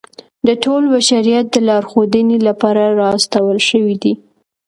د ټول بشریت د لارښودنې لپاره را استول شوی دی.